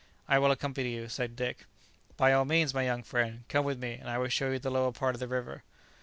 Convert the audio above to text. "I will accompany you," said Dick. "By all means, my young friend; come with me, and I will show you the lower part of the river."